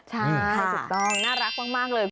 ใช่ถูกต้องน่ารักมากเลย